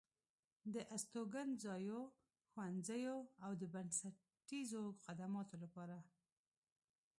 د استوګنځايو، ښوونځيو او د بنسټيزو خدماتو لپاره